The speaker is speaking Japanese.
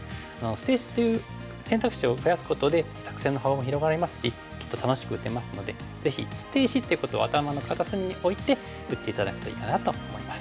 捨て石っていう選択肢を増やすことで作戦の幅も広がりますしきっと楽しく打てますのでぜひ捨て石っていうことを頭の片隅に置いて打って頂くといいかなと思います。